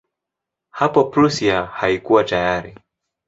Hapo Prussia haikuwa tayari.